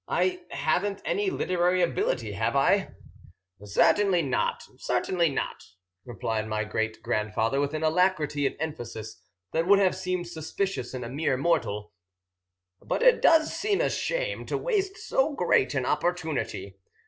I haven't any literary ability, have I?" "Certainly not, certainly not," replied my great grandfather with an alacrity and emphasis that would have seemed suspicious in a mere mortal. "But it does seem a shame to waste so great an opportunity.